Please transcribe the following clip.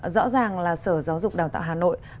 rõ ràng là sở giáo dục đào tạo hà nội